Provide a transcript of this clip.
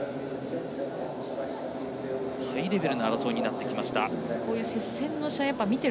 ハイレベルな争いになってきました。